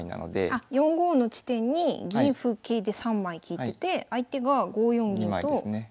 あっ４五の地点に銀歩桂で３枚利いてて相手が５四銀と４四歩の２枚。